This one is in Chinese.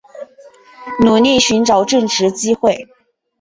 努力寻找正职机会